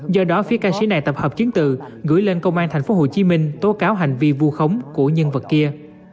do đó phía ca sĩ này tập hợp chiến từ gửi lên công an tp hcm tố cáo hành vi vu khống của nhân vật kia